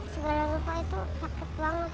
semuanya segala rupa itu sakit banget